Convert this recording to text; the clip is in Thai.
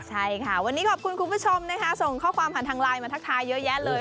ใช่ค่ะวันนี้ขอบคุณคุณผู้ชมนะคะส่งข้อความผ่านทางไลน์มาทักทายเยอะแยะเลย